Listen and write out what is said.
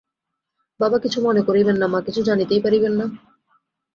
বাবা কিছু মনে করিবেন না, মা কিছু জানিতেই পারিবেন না।